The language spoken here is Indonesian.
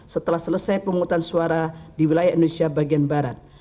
setelah selesai pemungutan suara di wilayah indonesia bagian barat